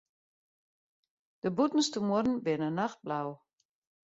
De bûtenste muorren binne nachtblau.